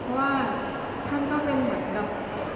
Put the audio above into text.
ว่าท่านก็เป็นเหมือนกับ